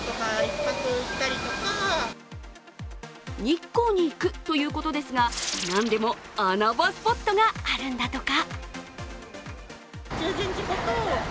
日光に行くということですがなんでも穴場スポットがあるんだとか。